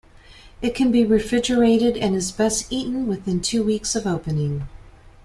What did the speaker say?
It can be refrigerated and is best eaten within two weeks of opening.